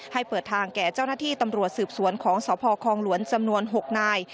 เปิดทางแก่เจ้าหน้าที่ตำรวจสืบสวนของสพคองหลวนจำนวน๖นาย